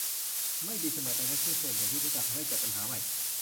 ไม่ดีเสมอไปเมื่อชื่อที่ส่วนใหญ่รู้จักทำให้เกิดปัญหาใหม่